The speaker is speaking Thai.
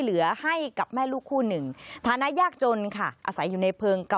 เหลือให้กับแม่ลูกคู่หนึ่งฐานะยากจนค่ะอาศัยอยู่ในเพลิงเก่า